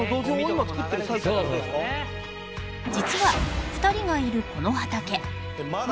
禺造２人がいるこの畑泙